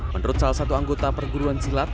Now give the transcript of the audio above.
menurut salah satu anggota perguruan silat